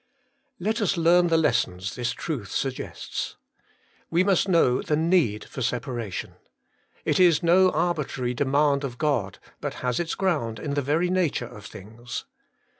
Let us learn the lessons this truth suggests. We must know the need for separation. It is no arbi trary demand of God, but has its ground in the very nature of things.